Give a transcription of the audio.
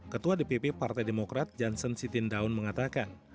ketua dpp partai demokrat janssen siti ndaun mengatakan